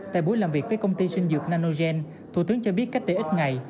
tại buổi làm việc với công ty sinh dược nanogen thủ tướng cho biết cách đây ít ngày